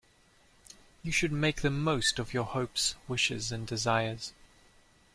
You should make the most of your hopes, wishes and desires.